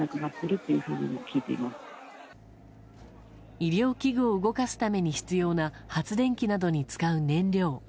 医療器具を動かすために必要な発電機などに使う燃料。